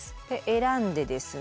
選んでですね